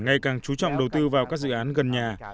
ngày càng chú trọng đầu tư vào các dự án gần nhà